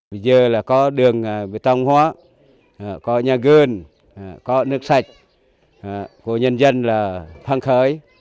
bây giờ là có đường vệ tông hóa có nhà gương có nước sạch của nhân dân là phong khới